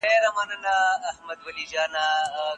جامې پرې مینځل کور او انګړ رېږ کول